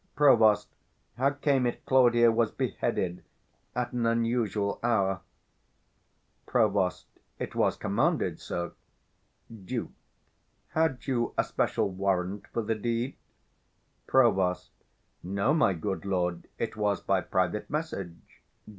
Provost, how came it Claudio was beheaded 455 At an unusual hour? Prov. It was commanded so. Duke. Had you a special warrant for the deed? Prov. No, my good lord; it was by private message.